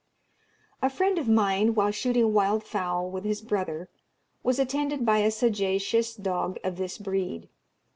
A friend of mine, while shooting wild fowl with his brother, was attended by a sagacious dog of this breed.